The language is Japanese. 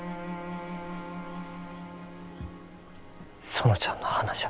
園ちゃんの花じゃ。